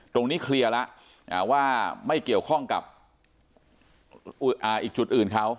ตรงนี้เคลียร์แล้วว่าไม่เกี่ยวข้องกับอีกจุดอื่นเขา